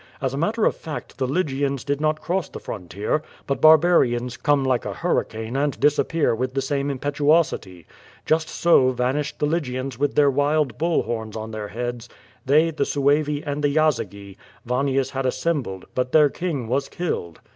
As a matter of fact, the Lygians did not cross the frontier, but barbarians come like a hurricane^ and disappear with the same impetuosity. Just 12 QVO VADI8. SO vanished the Lygians with their wild bull horns on their lieads. They, the Suevi and the Yazygi, Vanniiis had assem bled, but their king was killed.